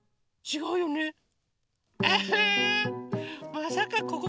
まさかここ？